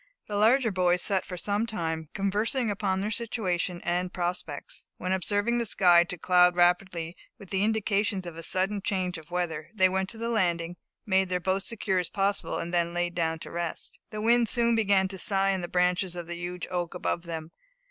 The larger boys sat for some time, conversing upon their situation and prospects, when observing the sky to cloud rapidly with the indications of a sudden change of weather, they went to the landing, made their boat secure as possible, and then laid down to rest. The wind soon began to sigh in the branches of the huge oak above them.